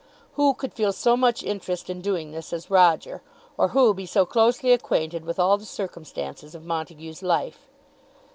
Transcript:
Who could feel so much interest in doing this as Roger, or who be so closely acquainted with all the circumstances of Montague's life?